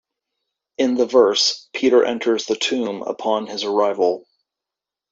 In the verse, Peter enters the tomb upon his arrival.